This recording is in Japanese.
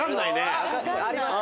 ありますね。